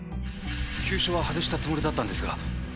急所は外したつもりだったんですが。